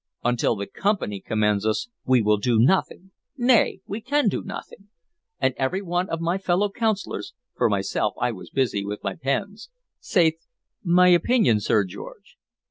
Until the Company commands us we will do nothing; nay we can do nothing.' And every one of my fellow Councilors (for myself, I was busy with my pens) saith, 'My opinion, Sir George.'